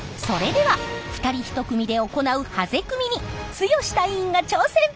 それでは２人１組で行うはぜ組みに剛隊員が挑戦！